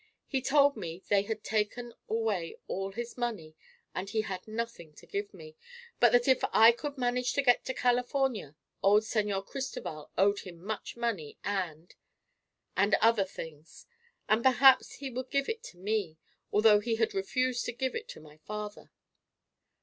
He told me they had taken away all his money and he had nothing to give me, but that if I could manage to get to California old Señor Cristoval owed him much money and—and other things, and perhaps he would give it to me, although he had refused to give it to my father.